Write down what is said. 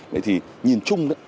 đấy thì nhìn chung